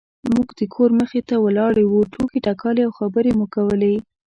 موږ د کور مخې ته ولاړې وو ټوکې ټکالې او خبرې مو کولې.